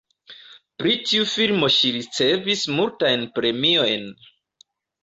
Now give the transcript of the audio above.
Pri tiu filmo ŝi ricevis multajn premiojn.